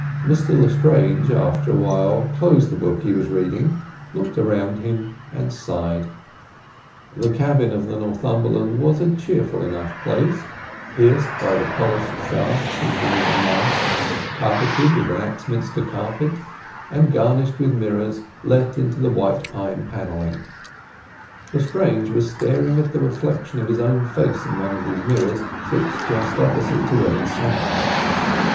Mr Lestrange after a while closed the book he was reading, looked around him and sighed. The cabin of the Northumberland was a cheerful enough place, pierced by the polished shaft of the mizzen mast, carpeted with an Axminster carpet, and garnished with mirrors let into the white pine panelling. Lestrange was staring at the reflection of his own face in one of these mirrors fixed just opposite to where he sat.